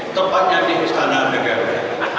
tepatnya di istana negara